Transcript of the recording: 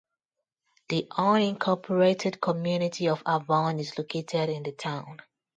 The unincorporated community of Avon is located in the town.